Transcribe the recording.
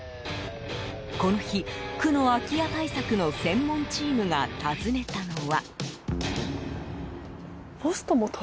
この日、区の空き家対策の専門チームが訪ねたのは。